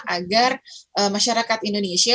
agar masyarakat indonesia